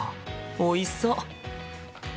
おいしそう！